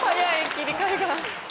切り替えが。